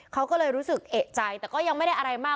เขาก็เลยรู้สึกเอกใจแต่ก็ยังไม่ได้อะไรมาก